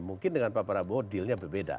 mungkin dengan pak prabowo dealnya berbeda